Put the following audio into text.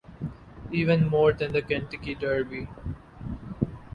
Even more than the Kentucky Derby.